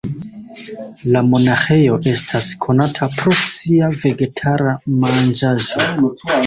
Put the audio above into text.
La monaĥejo estas konata pro sia vegetara manĝaĵo.